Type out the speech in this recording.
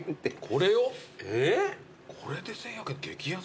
これで１，１００円激安でしょ。